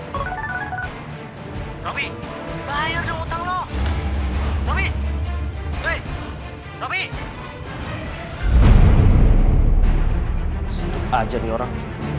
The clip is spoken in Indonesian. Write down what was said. kalau perlu lo colok itu beras dari warung